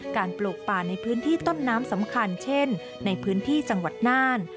ปลูกป่าในพื้นที่ต้นน้ำสำคัญเช่นในพื้นที่จังหวัดน่าน